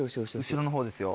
後ろの方ですよ